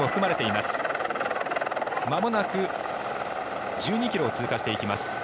まもなく１２ｋｍを通過していきます。